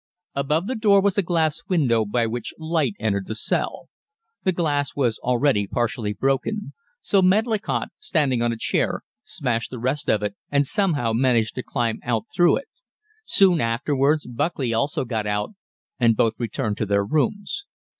Above the door was a glass window by which light entered the cell. The glass was already partially broken, so Medlicott standing on a chair smashed the rest of it and somehow managed to climb out through it. Soon afterwards Buckley also got out, and both returned to their rooms.